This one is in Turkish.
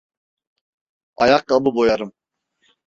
Ayakkabı boyarım!